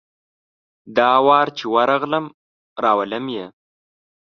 دا وار چي ورغلم ، راولم یې .